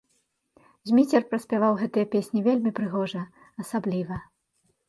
Зміцер пераспяваў гэтыя песні вельмі прыгожа, асабліва.